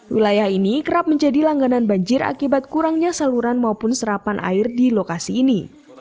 wilayah ini kerap menjadi langganan banjir akibat kurangnya saluran maupun serapan air di lokasi ini